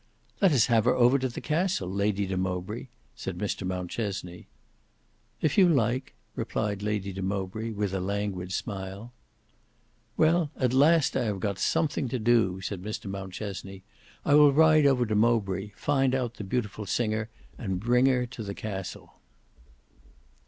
"Let us have her over to the Castle, Lady de Mowbray," said Mr Mountchesney. "If you like," replied Lady de Mowbray, with a languid smile. "Well at last I have got something to do," said Mr Mountchesney. "I will ride over to Mowbray, find out the beautiful singer, and bring her to the Castle."